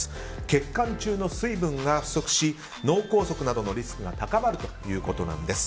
血管中の水分が不足し脳梗塞などのリスクが高まるということなんです。